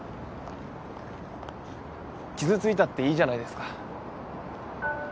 傷ついたっていいじゃないですか。